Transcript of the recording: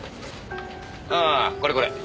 ああこれこれ。